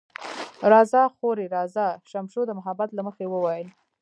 راځه خورې، راځه، شمشو د محبت له مخې وویل.